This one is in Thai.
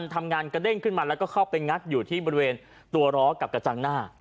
ทำงานกระเด้งขึ้นมาแล้วก็เข้าไปงัดอยู่ที่บริเวณตัวล้อกับกระจังหน้า